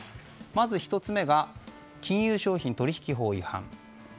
まず１つ目が金融商品取引法違反。